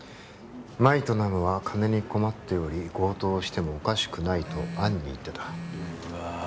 マイとナムは金に困っており強盗をしてもおかしくないと暗に言ってたうわ